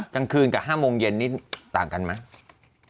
กลางคืนกับ๕โมงเย็นนี่ต่างกันไหม